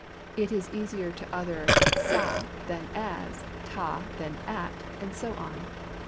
It is easier to utter sa than as, ta than at, and so on.